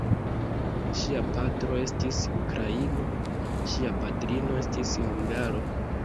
Ŝia patro estis ukraino, ŝia patrino estis hungaro.